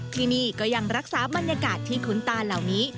ที่นี่ก็ยังรักษาบรรยากาศที่คุ้นตาเหล่านี้